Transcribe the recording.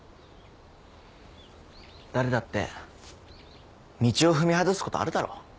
誰だって道を踏み外すことあるだろ